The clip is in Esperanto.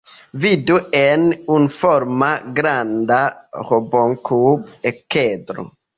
Vidu en unuforma granda rombokub-okedro.